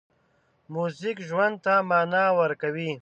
موزیک ژوند ته مانا ورکوي.